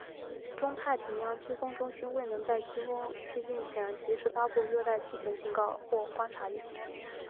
中太平洋飓风中心未能在飓风逼近前及时发布热带气旋警告或观察预警。